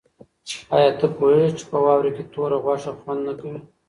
آیا ته پوهېږې چې په واوره کې توره غوښه خوند نه کوي؟